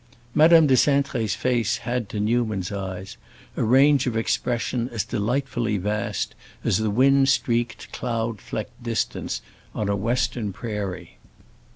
Madame de Cintré's face had, to Newman's eye, a range of expression as delightfully vast as the wind streaked, cloud flecked distance on a Western prairie.